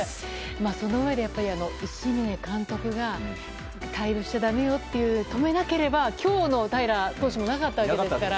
そのうえで伊志嶺監督が退部しちゃだめよって止めなければ、今日の平良投手もなかったわけですから。